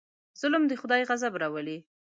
ظلم د خدای غضب راولي.